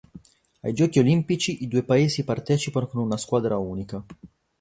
Ai Giochi olimpici i due Paesi partecipano con una squadra unica.